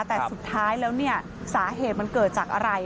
แต่สุดท้ายแล้วเนี่ยสาเหตุมันเกิดจากอะไร